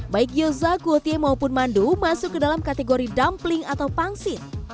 baik gyoza kuotie maupun mandu masuk ke dalam kategori dumpling atau pangsit